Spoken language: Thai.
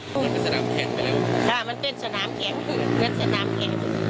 มันเป็นสนามแข่งไปแล้วค่ะมันเป็นสนามแข่งเหมือนสนามแข่ง